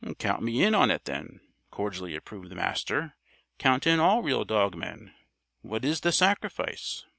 "Count me in on it, then!" cordially approved the Master. "Count in all real dog men. What is the 'sacrifice'?"